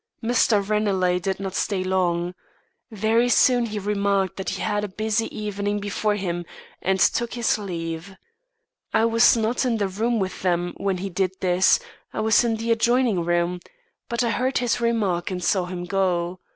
Mr. Ranelagh did not stay long. Very soon he remarked that he had a busy evening before him, and took his leave. I was not in the room with them when he did this. I was in the adjoining one, but I heard his remark and saw him go.